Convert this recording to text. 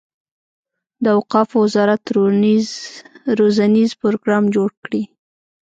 د اوقافو وزارت روزنیز پروګرام جوړ کړي.